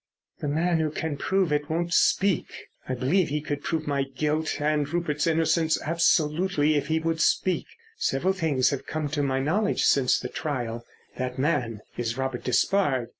"The man who can prove it won't speak. I believe he could prove my guilt and Rupert's innocence absolutely if he would speak. Several things have come to my knowledge since the trial. That man is Robert Despard.